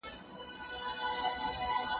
ستاسو مالونه باید د نورو د ضرر سبب نه سي.